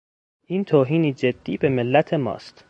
این توهینی جدی به ملت ماست.